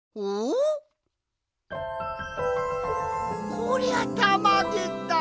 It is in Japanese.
こりゃたまげた！